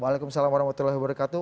waalaikumsalam warahmatullahi wabarakatuh